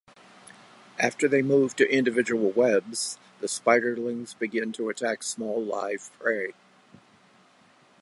After they move to individual webs the spiderlings begin to attack small live prey.